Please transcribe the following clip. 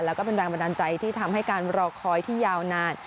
แล้วก็เป็นแรงบันดาลใจที่ทำให้การรอคอยที่ยาวนาน